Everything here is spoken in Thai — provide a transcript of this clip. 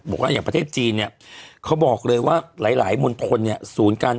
บอกว่าอย่างประเทศจีนเขาบอกเลยว่าหลายมนตรสูญกัน